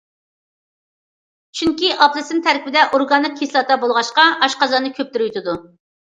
چۈنكى ئاپېلسىن تەركىبىدە ئورگانىك كىسلاتا بولغاچقا، ئاشقازاننى كۆپتۈرۈۋېتىدۇ.